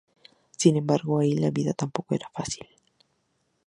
Sin embargo, allí la vida tampoco era fácil.